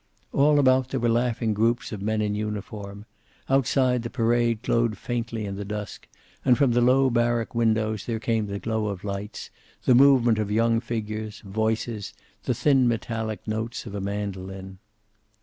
All about there were laughing groups of men in uniform. Outside, the parade glowed faintly in the dusk, and from the low barrack windows there came the glow of lights, the movement of young figures, voices, the thin metallic notes of a mandolin.